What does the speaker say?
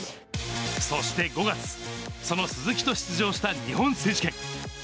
そして５月、その鈴木と出場した日本選手権。